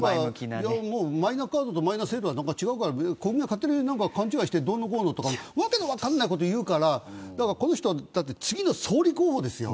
マイナカードとマイナ制度は違うからとか勘違いしてどうのこうのと訳の分からないこと言うからこの人は次の総理候補ですよ。